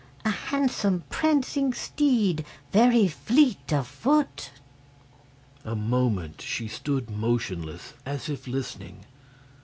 A handsome, prancing steed, very fleet of foot." A moment she stood motionless, as if listening.